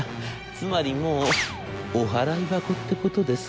つまりもうお払い箱ってことです』。